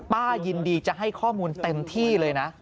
ป้ายินดีจะให้ข้อมูลเต็มที่เลยนะ